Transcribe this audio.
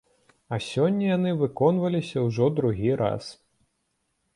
А сёння яны выконваліся ўжо другі раз!